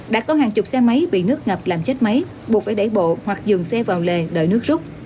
đã có hàng chục xe máy bị nước ngập làm chết máy buộc phải đẩy bộ hoặc dừng xe vào lề đợi nước rút